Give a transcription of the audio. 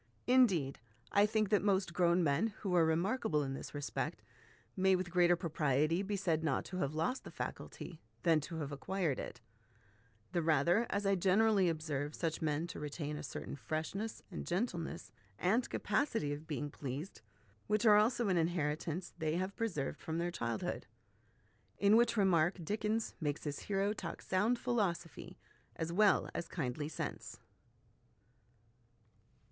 Indeed, I think that most grown men 'who are remarkable in this respect may with greater propriety be said not to have lost the faculty, than to have acquired it ; the rather, as I generally observe such men to retain a certain freshness, and gentleness, and capacity of being pleased, which are also an inheritance they have preserved from their child hood"; in which remark Dickens makes his hero talk sound philosophy as well as kindly sense.